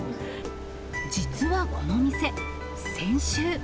実はこの店、先週。